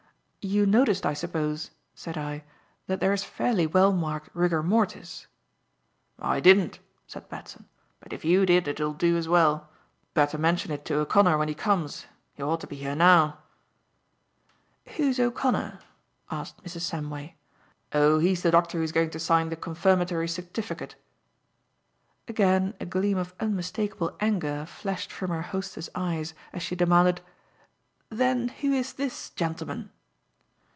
"You noticed, I suppose," said I, "that there is fairly well marked rigor mortis?" "I didn't," said Batson, "but if you did it'll do as well. Better mention it to O'Connor when he comes. He ought to be here now." "Who is O'Connor?" asked Mrs. Samway. "Oh, he is the doctor who is going to sign the confirmatory certificate." Again a gleam of unmistakable anger flashed from our hostess' eyes as she demanded: "Then who is this gentleman?"